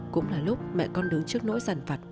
cũng là lúc mẹ con đứng trước nỗi giận vặt